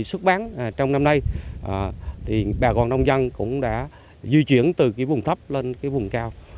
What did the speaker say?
xuất bán trong năm nay thì bà con nông dân cũng đã di chuyển từ cái vùng thấp lên cái vùng cao